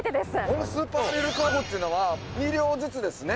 このスーパーレールカーゴっていうのは２両ずつですね